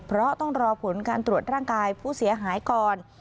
เพราะต้องรอผลการตรวจร่างกายผู้เสียหายก่อน